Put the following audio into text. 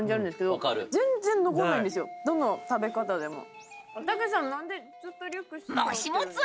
どの食べ方でも。